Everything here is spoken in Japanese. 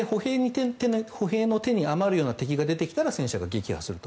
歩兵の手に余るような敵が出てきたら戦車が撃破すると。